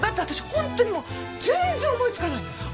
本当にもう全然思いつかないんだもん。